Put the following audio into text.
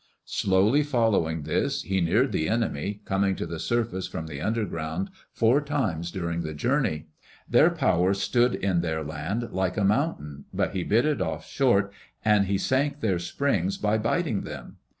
Slowly following this, he neared the enemy, coming to the surface from the underground four times during the journey. Their power stood in their land like a mountain, but he bit it off short, and he sank their springs by biting them.